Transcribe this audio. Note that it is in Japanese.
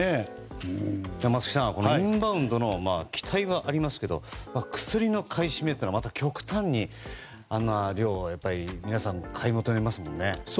松木さん、インバウンドの期待はありますけども薬の買い占めというのはまた、極端な量を皆さん買い求めますもんね。